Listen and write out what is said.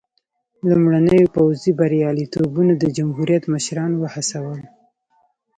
لومړنیو پوځي بریالیتوبونو د جمهوریت مشران وهڅول.